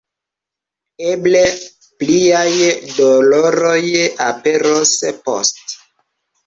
Eble pliaj doloroj aperos poste.